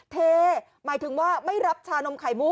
เทหมายถึงว่าไม่รับชานมไข่มุ้